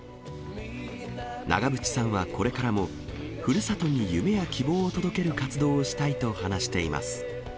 長渕さんはこれからもふるさとに夢や希望を届ける活動をしたいと話しています。